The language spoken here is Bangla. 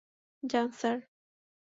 যান, স্যার।